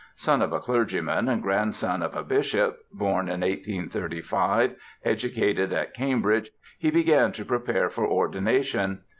Son of a clergyman and grandson of a bishop, born in 1835, educated at Cambridge, he began to prepare for ordination.